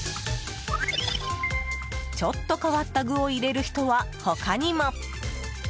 ちょっと変わった具を入れる人は他にも。